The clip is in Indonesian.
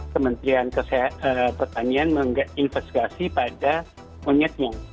kementerian pertanian menginvestigasi pada monyetnya